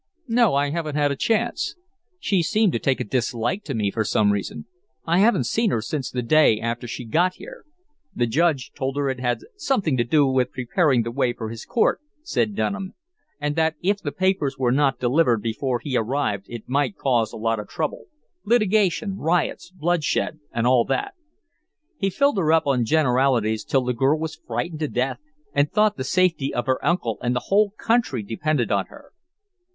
"No; I haven't had a chance. She seemed to take a dislike to me for some reason, I haven't seen her since the day after she got here." "The Judge told her it had something to do with preparing the way for his court," said Dunham, "and that if the papers were not delivered before he arrived it might cause a lot of trouble litigation, riots, bloodshed, and all that. He filled her up on generalities till the girl was frightened to death and thought the safety of her uncle and the whole country depended on her."